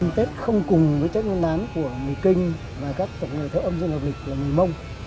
tết không cùng với tết nguyên đán của người kinh và các tộc người theo âm dương hợp lịch là người mông